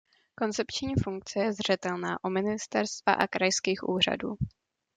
Koncepční funkce je zřetelná u ministerstva a krajských úřadů.